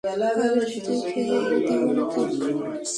আগের পথেই খেলে দিবো নাকি?